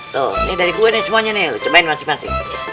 tuh ini dari kue nih semuanya nih lu cobain masing masing